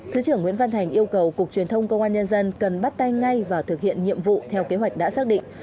thứ trưởng nguyễn văn thành yêu cầu cục truyền thông công an nhân dân cần bắt tay ngay vào thực hiện nhiệm vụ theo kế hoạch đã xác định